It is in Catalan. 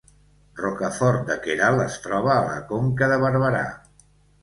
Rocafort de Queralt es troba a la Conca de Barberà